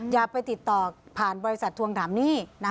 อย่าไปติดต่อผ่านบริษัททวงถามหนี้